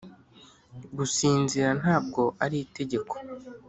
gusinzira ntabwo ari itegeko.